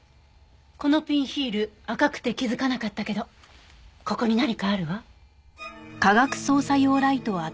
このピンヒール赤くて気づかなかったけどここに何かあるわ。